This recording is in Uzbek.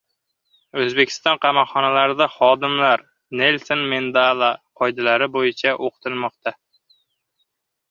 O‘zbekiston qamoqxonalarida xodimlar Nelson Mandela qoidalari bo‘yicha o‘qitilmoqda